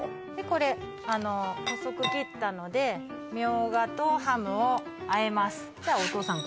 これ細く切ったのでみょうがとハムを和えますじゃお父さん